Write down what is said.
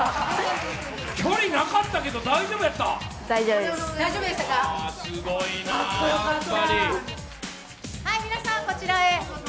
距離なかったけど大丈夫やった？